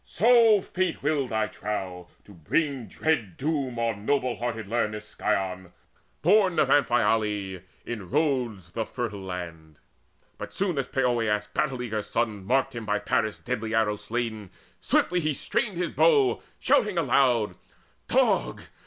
For so Fate willed, I trow, to bring dread doom On noble hearted Lernus' scion, born Of Amphiale, in Rhodes the fertile land. But soon as Poeas' battle eager son Marked him by Paris' deadly arrow slain, Swiftly he strained his bow, shouting aloud: "Dog!